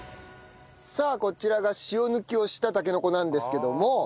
さあこちらが塩抜きをしたたけのこなんですけども。